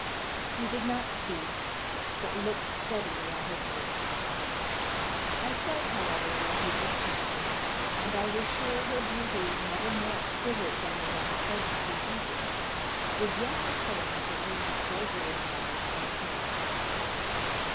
He did not speak, but looked steadily at his book. I felt, however, that he was changing, and I was sure her beauty, never more exquisite than in its present humility, would yet atone for even so great a fault as hers.